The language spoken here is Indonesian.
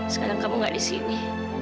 sekarang kamu gak di sini